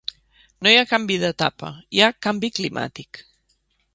No hi ha canvi d’etapa, hi ha canvi climàtic.